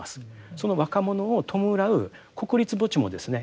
その若者を弔う国立墓地もですね